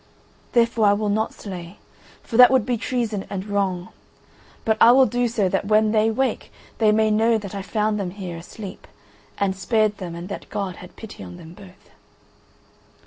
Therefore I will not slay, for that would be treason and wrong, but I will do so that when they wake they may know that I found them here, asleep, and spared them and that God had pity on them both."